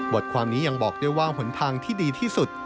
ความนี้ยังบอกด้วยว่าหนทางที่ดีที่สุด